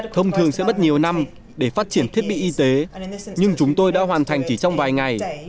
thông thường sẽ mất nhiều năm để phát triển thiết bị y tế nhưng chúng tôi đã hoàn thành chỉ trong vài ngày